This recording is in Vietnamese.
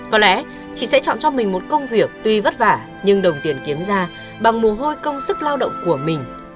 có lẽ chị sẽ chọn cho mình một công việc tuy vất vả nhưng đồng tiền kiếm ra bằng mồ hôi công sức lao động của mình